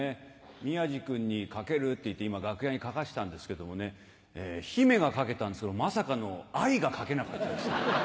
宮治君に「書ける？」って言って今楽屋で書かせたんですけどもね「媛」が書けたんですけどまさかの「愛」が書けなかったです。